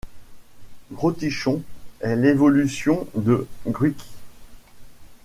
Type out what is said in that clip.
Grotichon est l'évolution de Gruikui.